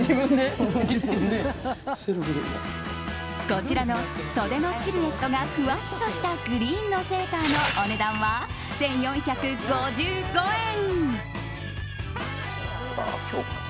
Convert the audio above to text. こちらの袖のシルエットがふわっとしたグリーンのセーターのお値段は１４５５円。